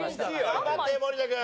頑張って森田君。